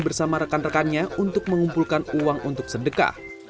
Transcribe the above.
bersama rekan rekannya untuk mengumpulkan uang untuk sedekah